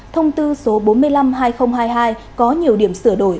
thông tư số bốn mươi năm hai nghìn hai mươi hai có nhiều điểm sửa đổi